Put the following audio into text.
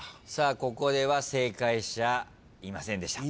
ここでは正解者いませんでした。